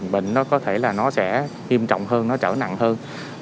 bệnh nó có thể là nó sẽ nghiêm trọng hơn nó trở nặng hơn